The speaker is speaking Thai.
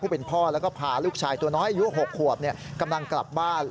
เป็นพ่อแล้วก็พาลูกชายตัวน้อยอายุ๖ขวบกำลังกลับบ้าน